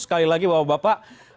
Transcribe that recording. sekali lagi bapak